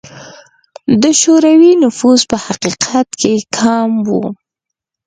د شوروي نفوس په حقیقت کې کم و.